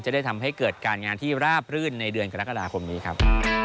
จะได้ทำให้เกิดการงานที่ราบรื่นในเดือนกรกฎาคมนี้ครับ